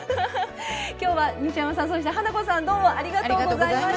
今日は西山さんそして花子さんどうもありがとうございました。